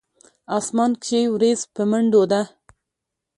اسمان کښې وريځ پۀ منډو ده